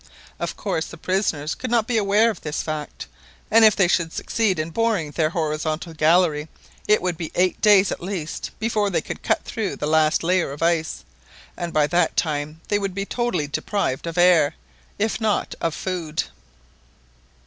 Of course the prisoners could not be aware of this fact, and if they should succeed in boring their horizontal gallery, it would be eight days at least before they could cut through the last layer of ice, and by that time they would be totally deprived of air, if not of food.